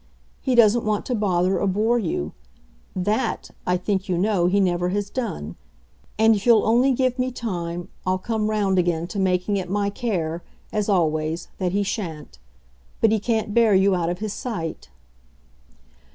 He doesn't want to bother or bore you THAT, I think, you know, he never has done; and if you'll only give me time I'll come round again to making it my care, as always, that he shan't. But he can't bear you out of his sight."